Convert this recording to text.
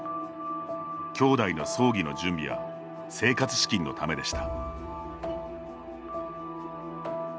きょうだいの葬儀の準備や生活資金のためでした。